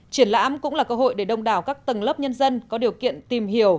triển lãm cũng là cơ hội để đông đảo các tầng lớp nhân dân có điều kiện tìm hiểu